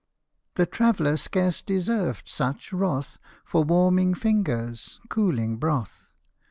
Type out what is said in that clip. The traveller scarce deserved such wrath, For warming fingers cooling broth.